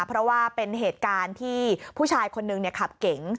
เพราะว่าเป็นเหตุการณ์ที่ผู้ชายคนหนึ่งขับเก๋ง